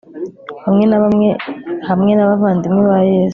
bamwe na bamwe hamwe n abavandimwe ba yesu